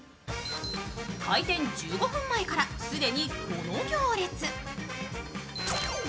開店１５分前から既にこの行列。